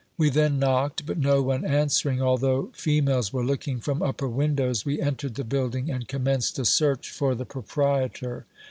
We then knocked, but no one answering, although fe males were looking from upper windows, we entered the build ing and commenced a search for the proprietor.